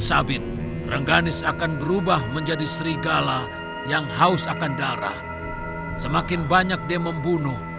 sabit rengganis akan berubah menjadi serigala yang haus akan darah semakin banyak dia membunuh